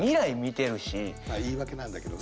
まあ言い訳なんだけどね。